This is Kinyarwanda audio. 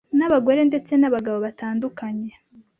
n’abagore ndetse n’abagabo batandukanye.